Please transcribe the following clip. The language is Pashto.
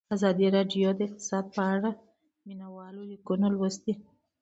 ازادي راډیو د اقتصاد په اړه د مینه والو لیکونه لوستي.